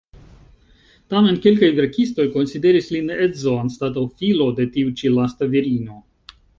Tamen, kelkaj verkistoj konsideris lin edzo, anstataŭ filo, de tiu ĉi lasta virino.